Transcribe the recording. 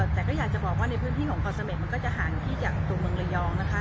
แต่ก็อยากจะบอกว่าในพื้นที่ของเกาะเสม็ดมันก็จะห่างที่จากตัวเมืองระยองนะคะ